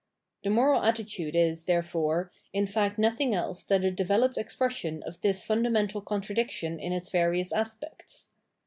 The moral attitude is, therefore, in fact nothing else than the developed expression of this fundamental con tradiction in its various aspects.